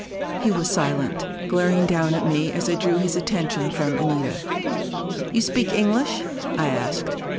He was silent, glaring down at me as I drew his attention from Anita. "You speak English?" I asked.